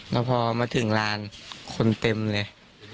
แล้วพอมาถึงร้านคนเต็มเลย